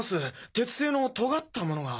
鉄製のとがった物が。